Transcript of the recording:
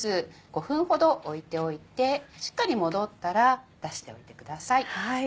５分ほど置いておいてしっかりもどったら出しておいてください。